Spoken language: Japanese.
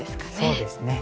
そうですね。